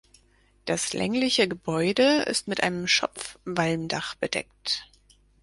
Das längliche Gebäude ist mit einem Schopfwalmdach bedeckt.